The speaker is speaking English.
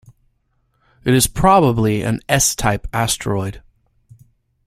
It is probably an S-type asteroid.